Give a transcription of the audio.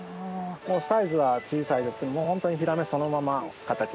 サイズは小さいですけどホントにヒラメそのままの形です。